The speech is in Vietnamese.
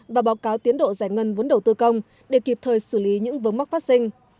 và báo cáo tiến độ giải ngân vốn đầu tư công để kịp thời xử lý những vấn mắc phát sinh